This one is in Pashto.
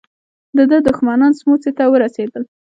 د ده دښمنان سموڅې ته ورسېدل.